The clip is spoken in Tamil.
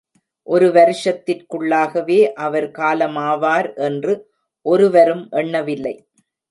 ஒரு வருஷத்திற்குள்ளாகவே அவர் காலமாவார் என்று ஒருவரும் எண்ணவில்லை.